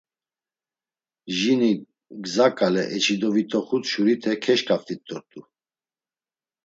Jini gza ǩale eçidovit̆oxut şurite keşǩaft̆it dort̆u.